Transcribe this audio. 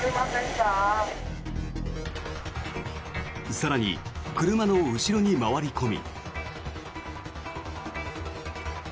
更に、車の後ろに回り込み。